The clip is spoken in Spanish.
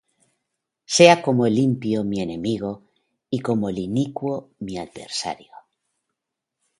Sea como el impío mi enemigo, Y como el inicuo mi adversario.